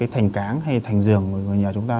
thành cáng hay thành giường của người nhà chúng ta